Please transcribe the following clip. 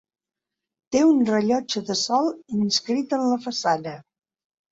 Té un rellotge de sol inscrit en la façana.